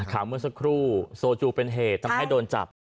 เมื่อสักครู่โซจูเป็นเหตุทำให้โดนจับ